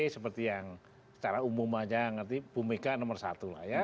seperti yang secara umum aja nanti bu mega nomor satu lah ya